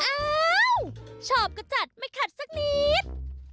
อ้าวชอบก็จัดไม่ขัดสักนิด